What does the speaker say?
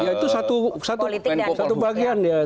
itu satu bagian